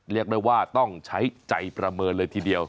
เรียกได้ว่าต้องใช้ใจประเมินเลยทีเดียว